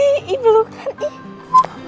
eh iblok kan eh